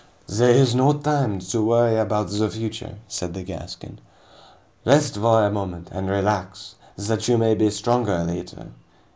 "This is no time to worry about the future," said the Gascon. "Rest for a moment and relax, that you may be the stronger later.